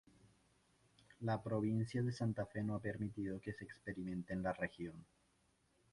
La provincia de Santa Fe no ha permitido que se experimente en la región.